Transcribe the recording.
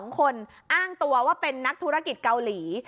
๒คนอ้างตัวว่าเป็นนักธุรกิจเกาหลี